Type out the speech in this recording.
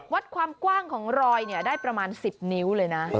วัดความกว้างของรอยได้ประมาณ๑๐นิ้วเลยนะ